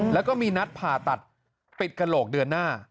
แล้วก็มีนัดผ่าตัดปิดกระโหลกเดือนหน้า